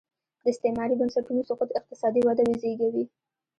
د استعماري بنسټونو سقوط اقتصادي وده وزېږوي.